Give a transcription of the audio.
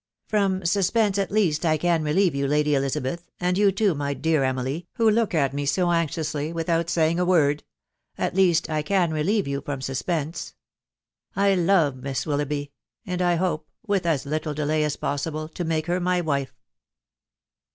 " From suspense, at least, I can relieve you, Lady Elizabeth, and you, too, my dear Emily, who look at me so anxiously without saying a word .... at least I can relieve you from suspense. ... I love Hiss Willoughby ; and I hope, with as little delay as possible, to make her my wife.